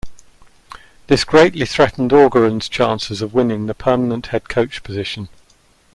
This greatly threatened Orgeron's chances of winning the permanent head coach position.